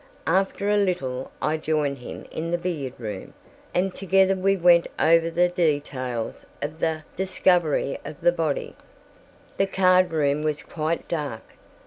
After a little I joined him in the billiard room, and together we went over the details of the discovery of the body. The card room was quite dark.